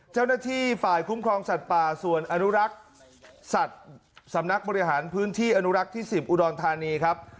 เจ้าหน้าที่ฝ่ายคุ้มครองสัตว์ป่าส่วนอนุรักษ์สัตว์สำนักบริหารพื้นที่อนุรักษ์ที่๑๐อุดรธานีครับ